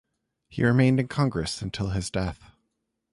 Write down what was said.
He remained in Congress until his death.